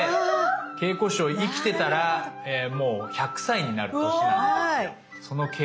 桂子師匠生きてたらもう１００歳になる年なんですよ。